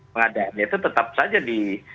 pengadaannya itu tetap saja di